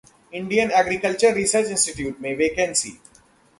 Indian agriculture research institute में vacancy